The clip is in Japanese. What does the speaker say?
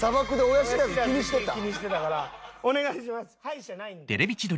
親知らず気にしてたから。